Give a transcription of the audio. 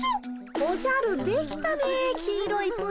おじゃるできたね黄色いプリン。